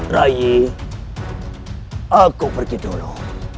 rayi aku pergi dulu